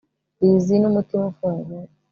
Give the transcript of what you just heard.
Lizzie numutima ufunguye